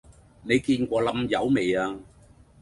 你見過冧友未呀?